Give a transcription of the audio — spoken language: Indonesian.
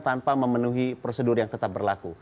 tanpa memenuhi prosedur yang tetap berlaku